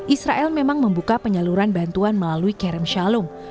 israel memang membuka penyaluran bantuan melalui karen shalom